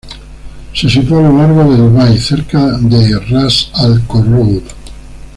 Se sitúa a lo largo de Dubái, cerca de Ras Al Khor Road.